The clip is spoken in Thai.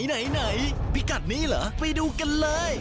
วันนี้เหรอไปดูกันเลย